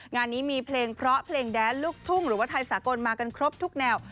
งานนี้มีเพลงเพราะเพลงแดนลูกทุ่งหรือว่าไทยสากลมากันครบทุกแนว